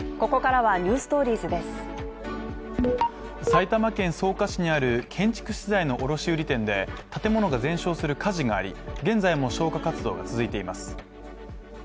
埼玉県草加市にある建築資材の卸売店で建物が全焼する火事があり、現在も消火活動が続いています。